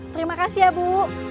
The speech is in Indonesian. terima kasih ya bu